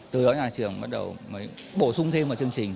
từ đó nhà trường bắt đầu bổ sung thêm vào chương trình